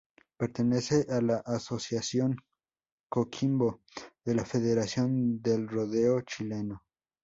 Pertenece a la Asociación Coquimbo de la Federación del Rodeo Chileno.